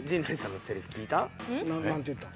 何て言ったん？